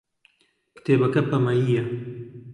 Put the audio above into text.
کتێبەکە پەمەیییە.